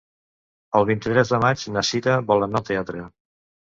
El vint-i-tres de maig na Sira vol anar al teatre.